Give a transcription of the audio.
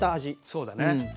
そうだね。